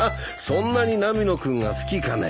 そんなに波野君が好きかね。